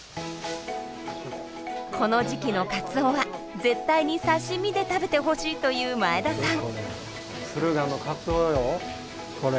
この時期のカツオは絶対に刺身で食べてほしいという前田さん。